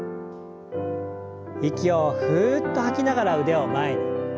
息をふっと吐きながら腕を前に。